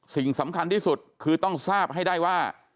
สิ่งสำคัญที่สุดคือต้องทราบให้ได้ว่า